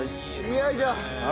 よいしょ。